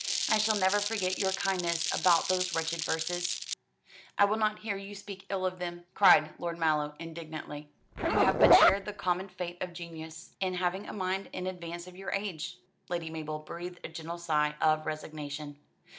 "I shall never forget your kindness about those wretched verses." "I will not hear you speak ill of them," cried Lord Mallow indignantly. "You have but shared the common fate of genius, in having a mind in advance of your age." Lady Mabel breathed a gentle sigh of resignation.